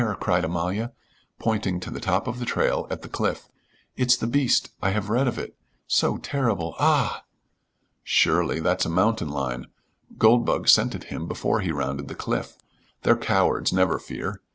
cried Amalia, pointing to the top of the trail at the cliff. "It's the beast. I have read of it so terrible! Ah!" "Surely. That's a mountain lion; Goldbug scented him before he rounded the cliff. They're cowards; never fear."